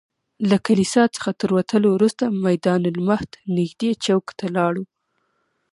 له کلیسا څخه تر وتلو وروسته میدان المهد نږدې چوک ته لاړو.